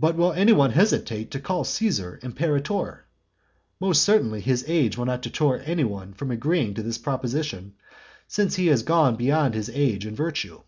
But will any one hesitate to call Caesar imperator? Most certainly his age will not deter any one from agreeing to this proposition, since he has gone beyond his age in virtue.